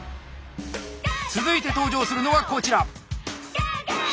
続いて登場するのはこちら。